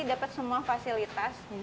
dapet semua fasilitas